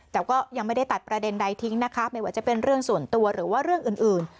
แต่ก็ยังไม่ได้ตัดประเด็นใดทิ้งนะคะไม่ว่าจะเป็นเรื่องส่วนตัวหรือว่าเรื่องอื่น